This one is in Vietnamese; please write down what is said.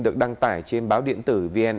được đăng tải trên báo điện tử vn express